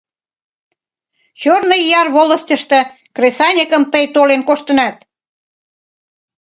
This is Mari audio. Чёрный Яр волостьышто кресаньыкым тый толен коштынат?